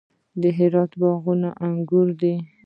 د هرات باغونه انګور دي